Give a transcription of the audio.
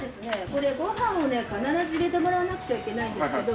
これご飯をね必ず入れてもらわなくちゃいけないんですけど。